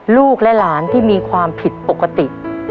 ลูกและหลานที่มีความผิดปกติ